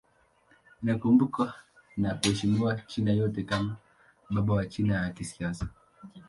Anakumbukwa na kuheshimiwa China yote kama baba wa China ya kisasa.